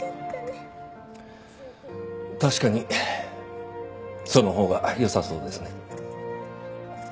確かにそのほうがよさそうですね。